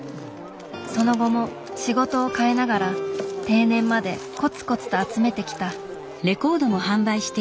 その後も仕事をかえながら定年までコツコツと集めてきた。